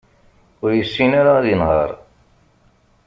Ur yessin ara ad inher.